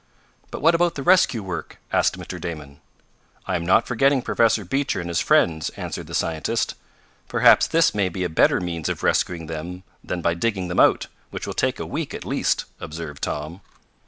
"But what about the rescue work?" asked Mr. Damon. "I am not forgetting Professor Beecher and his friends," answered the scientist. "Perhaps this may be a better means of rescuing them than by digging them out, which will take a week at least," observed Tom.